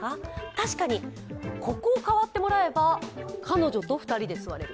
確かに、ここを代わってもらえれば彼女と２人で座れる。